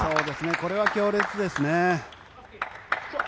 これは強烈ですね。